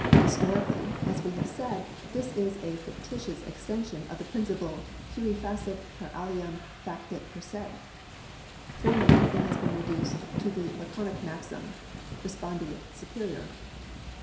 Historically, as we have said, this is a fictitious extension of the principle. Qui facit per alium facit per se. Formally, it has been reduced to the laconic maxim. Respondeat superior.